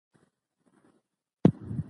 د انګریز دښمن د شاه شجاع دښمن دی.